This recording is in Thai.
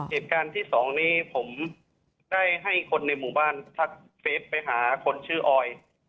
เหตุการณ์ที่สองนี้ผมได้ให้คนในหมู่บ้านทักเฟสไปหาคนชื่อออย